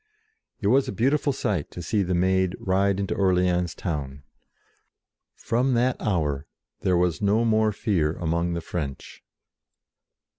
It was a beautiful sight to see the Maid ride into Orleans town. From that hour there was no more fear among the French.